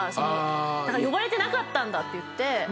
だから呼ばれてなかったんだっていって。